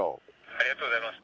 ☎ありがとうございます